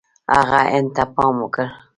هغه هند ته پام وکړ.